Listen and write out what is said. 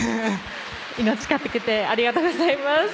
命かけてありがとうございます。